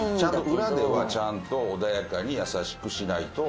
「裏ではちゃんと穏やかに優しくしないと」。